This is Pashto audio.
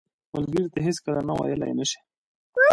ملګری ته هیڅکله نه ویلې نه شي